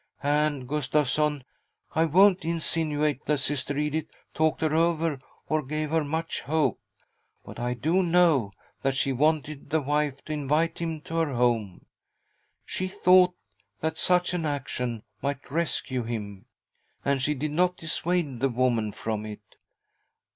And, Gustavsson, I won't insinuate that Sister Edith talked her over or gave her much hope, but I do know that she wanted the wife to invite him to her home. She thought that such an action might rescue him, and she did not dissuade the woman from it.